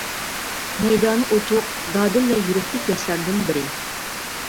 مەيدانى ئوچۇق ، دادىل ۋە يۈرەكلىك ياشلاردىن بىرى.